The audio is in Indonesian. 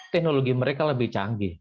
teknologi mereka lebih canggih